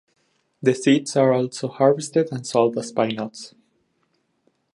The seeds are also harvested and sold as pine nuts.